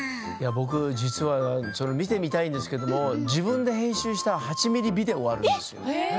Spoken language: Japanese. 僕、実は見てみたいんですけれど自分で編集した８ミリビデオがあるんですよね。